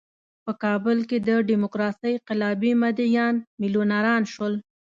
په کابل کې د ډیموکراسۍ قلابي مدعیان میلیونران شول.